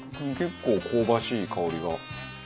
結構香ばしい香りが。